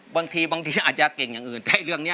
บางทีอาจจะเก่งอย่างอื่นกับเรื่องนี่